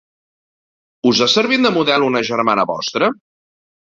Us ha servit de model una germana vostra?